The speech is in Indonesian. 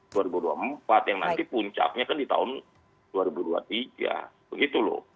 yang nanti puncaknya kan di tahun dua ribu dua puluh tiga begitu loh